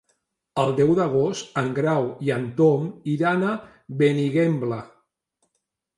El deu d'agost en Grau i en Tom iran a Benigembla.